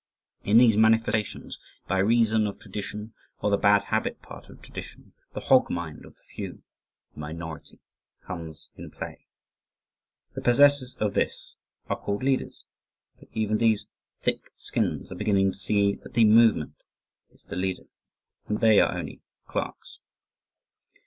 In these manifestations, by reason of tradition, or the bad habit part of tradition, the hog mind of the few (the minority), comes in play. The possessors of this are called leaders, but even these "thick skins" are beginning to see that the MOVEMENT is the leader, and that they are only clerks.